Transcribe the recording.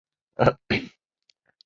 原作川内康范。